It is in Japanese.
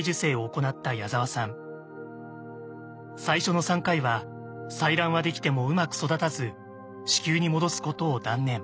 最初の３回は採卵はできてもうまく育たず子宮に戻すことを断念。